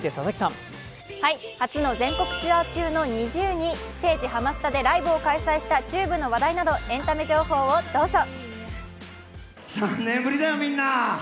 初の全国ツアー中のＮｉｚｉＵに、聖地ハマスタでライブを開催したＴＵＢＥの話題などエンタメ情報をどうぞ。